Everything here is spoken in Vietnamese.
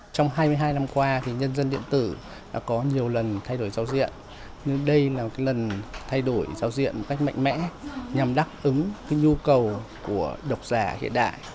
trong hai mươi hai năm qua nhân dân điện tử có nhiều lần thay đổi giao diện đây là lần thay đổi giao diện cách mạnh mẽ nhằm đắc ứng nhu cầu của độc giả hiện đại